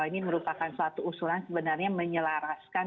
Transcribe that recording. sebenarnya usulan sebenarnya menyelaraskan